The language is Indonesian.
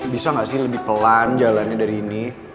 bisa nggak sih lebih pelan jalannya dari ini